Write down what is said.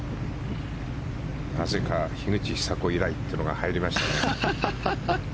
樋口久子以来というのが入りましたね。